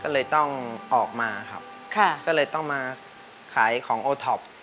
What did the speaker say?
ก็เลยต้องออกมาครับค่ะก็เลยต้องมาขายของโอท็อป